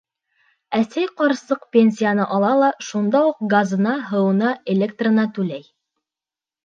Әсәй-ҡарсыҡ пенсияны ала ла шунда уҡ газына, һыуына, электрына түләй.